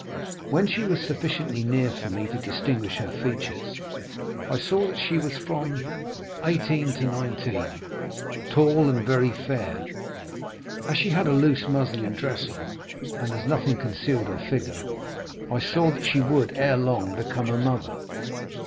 When she was sufficiently near for me to distinguish her features, I saw she was from eighteen to nineteen, tall and very fair. As she had a loose muslin dress on and as nothing concealed her figure, I saw she would ere long become a mother.